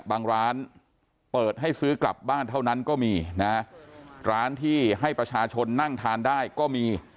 บางร้านเปิดให้ซื้อกลับบ้านเท่านั้นก็มีนะร้านที่ให้ประชาชนนั่งทานได้ก็มี